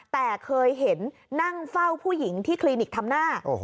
แต่เคยเห็นนั่งเฝ้าผู้หญิงที่คลินิกทำหน้า